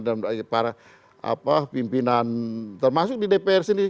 dan para pimpinan termasuk di dpr sendiri